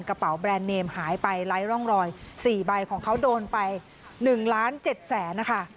กระเป๋าแบรนด์เนมหายไปไร้ร่องรอย๔ใบของเขาโดนไป๑ล้าน๗แสนนะคะ